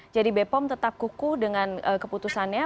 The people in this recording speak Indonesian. jadi bepom tetap kuku dengan keputusannya